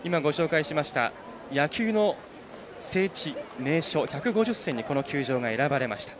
今、ご紹介しました野球の聖地・名所「１５０選」にこの球場が選ばれました。